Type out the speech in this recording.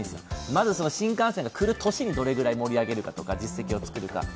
まず、新幹線が来る年にどれぐらい盛り上げるかとか、実績を作るか。